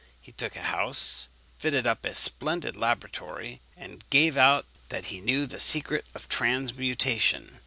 He took a house, fitted up a splendid laboratory, and gave out that he knew the secret of transmutation.